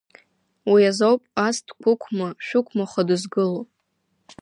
Уи азоуп ас дқәықәма-шәықәмаха дызгылоу.